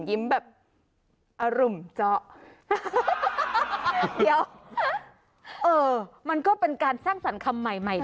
แบบอรุมเจาะเดี๋ยวเออมันก็เป็นการสร้างสรรค์คำใหม่ใหม่